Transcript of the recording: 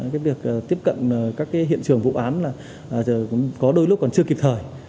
cái việc tiếp cận các hiện trường vụ án là có đôi lúc còn chưa kịp thời